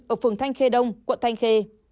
ở phường thanh khê đông quận thanh khê